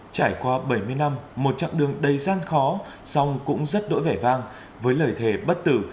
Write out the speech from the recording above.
trải qua bảy mươi năm một chặng đường đầy gian khó song cũng rất đỗi vang với lời thề bất tử